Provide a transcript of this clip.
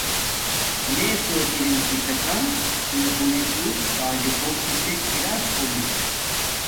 میے سوچ اِریم چِھس آݽنݣ چݹنے پݸنے چݸ کاجو کُوکیسک اِراس کومیک